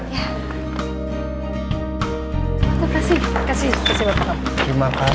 terima kasih pak al